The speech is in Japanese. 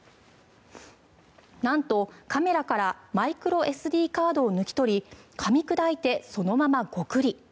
なんと、カメラからマイクロＳＤカードを抜き取りかみ砕いて、そのままゴクリ。